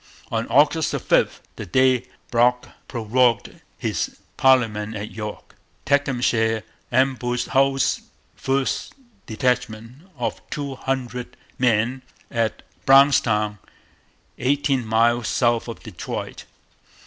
On August 5, the day Brock prorogued his parliament at York, Tecumseh ambushed Hull's first detachment of two hundred men at Brownstown, eighteen miles south of Detroit.